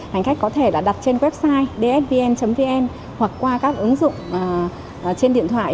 hành khách có thể đặt trên website dsvn vn hoặc qua các ứng dụng trên điện thoại